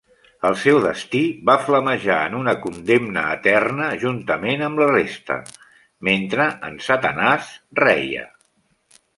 El seu destí va flamejar en una condemna eterna juntament amb la resta, mentre en Satanàs reia.